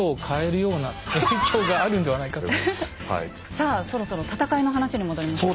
さあそろそろ戦いの話に戻りましょう。